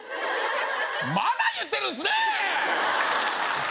まだ言ってるんですね！